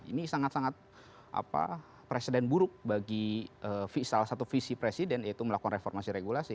ini sangat sangat presiden buruk bagi salah satu visi presiden yaitu melakukan reformasi regulasi